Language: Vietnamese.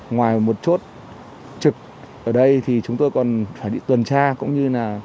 ngoài một chốt trực ở đây thì chúng tôi còn phải đi tuần tra cũng như là